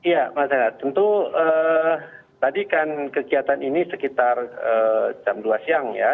ya mas renat tentu tadi kan kegiatan ini sekitar jam dua siang ya